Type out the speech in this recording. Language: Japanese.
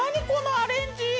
このアレンジ。